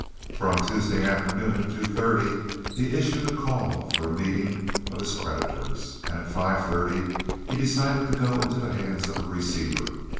For on Tuesday afternoon at two thirty he issued a call for a meeting of his creditors, and at five thirty he decided to go into the hands of a receiver.